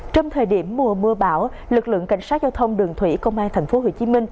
trong thời điểm mùa mưa bão lực lượng cảnh sát giao thông đường thủy công an tp hcm